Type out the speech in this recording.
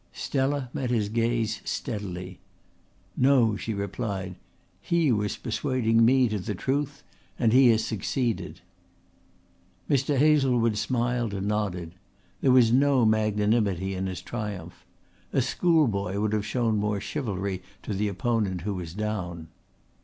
Stella met his gaze steadily. "No," she replied. "He was persuading me to the truth, and he has succeeded." Mr. Hazlewood smiled and nodded. There was no magnanimity in his triumph. A schoolboy would have shown more chivalry to the opponent who was down.